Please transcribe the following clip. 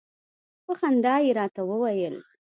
په خندا يې راته وویل.